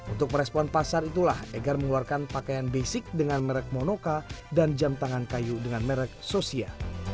untuk merespon pasar itulah egar mengeluarkan pakaian basic dengan merek monoka dan jam tangan kayu dengan merek sosia